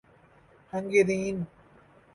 Hungarian